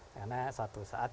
karena suatu saat